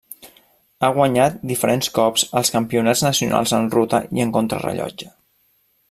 Ha guanyat diferents cops els campionats nacionals en ruta i en contrarellotge.